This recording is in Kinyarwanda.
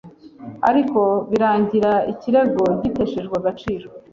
ariko birangira ikirego giteshejwe agaciro